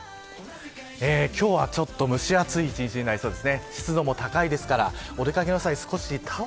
今日はちょっと蒸し暑い１日になりそうです。